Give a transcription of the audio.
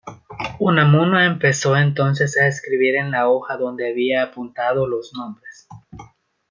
Unamuno empezó entonces a escribir en la hoja donde había apuntado los nombres.